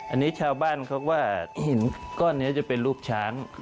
อันนี้ชาวบ้านเขาก็หินก้อนนี้จะเป็นรูปช้าง